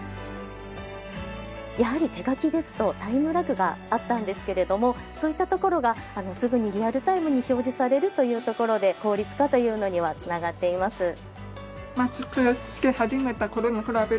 やはり手書きですとタイムラグがあったんですけれどもそういったところがすぐにリアルタイムに表示されるというところで効率化というのには繋がっています。